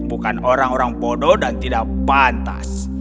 bukan orang orang bodoh dan tidak pantas